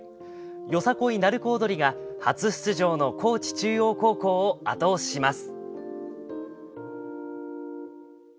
よさこい鳴子踊りが、初出場の高知中央高校を後押しします。